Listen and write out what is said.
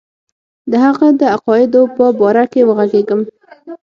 د هغه د عقایدو په باره کې وږغېږم.